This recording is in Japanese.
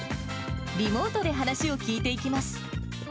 リモートで話を聞いていきます。